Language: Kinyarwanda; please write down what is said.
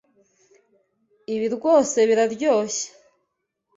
Ibi rwose biraryoshye!